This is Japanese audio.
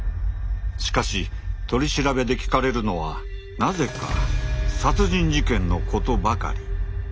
しかし取り調べで聞かれるのはなぜか殺人事件のことばかり。